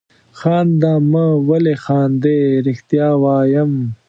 خانده مه ولې خاندې؟ رښتیا وایم.